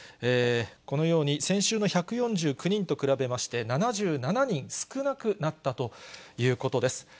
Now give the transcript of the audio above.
このように先週の１４９人と比べまして、７７人少なくなったということです。